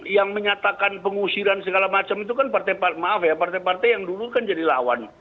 yang menyatakan pengusiran segala macam itu kan partai partai yang dulu kan jadi lawan